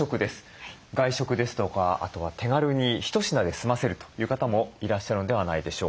外食ですとかあとは手軽に一品で済ませるという方もいらっしゃるのではないでしょうか。